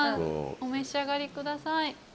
お召し上がりください。